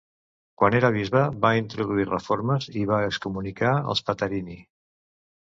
Quan era bisbe va introduir reformes i va excomunicar els Patarini.